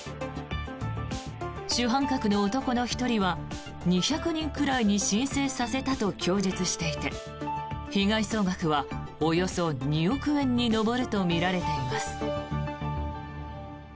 主犯格の男の１人は２００人くらいに申請させたと供述していて被害総額はおよそ２億円に上るとみられています。